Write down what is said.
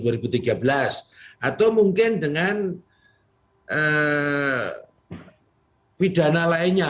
atau mungkin dengan pidana lainnya